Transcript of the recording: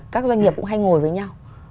các doanh nghiệp cũng hay ngồi với nhau